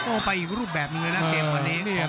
โอ้ไปอีกรูปแบบนึงเลยนะเกมกว่านี้